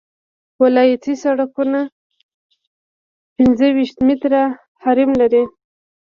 ولایتي سرکونه پنځه ویشت متره حریم لري